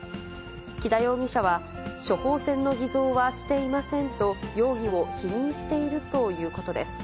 木田容疑者は、処方箋の偽造はしていませんと、容疑を否認しているということです。